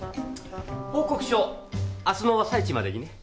報告書明日の朝一までにね。